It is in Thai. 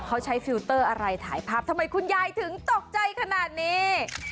เขาใช้ฟิลเตอร์อะไรถ่ายภาพทำไมคุณยายถึงตกใจขนาดนี้